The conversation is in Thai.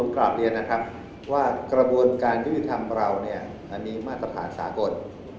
กระบวนการยุทธรรมราวมีมาตรฐานสากษ์